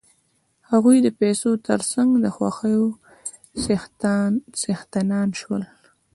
هغوی د پیسو تر څنګ د خوښیو څښتنان شول